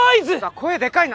声でかいな！